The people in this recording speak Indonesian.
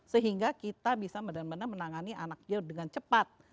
sehingga kita bisa benar benar menangani anaknya dengan cepat